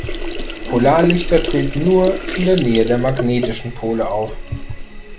Polarlichter treten nur in der Nähe der magnetischen Pole auf.